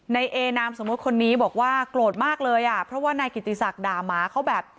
ในเอนามสมมุติคนนี้บอกว่าโกรธมากเลยอ่ะเพราะว่านายกิติศักดิ์ด่าหมาเขาแบบ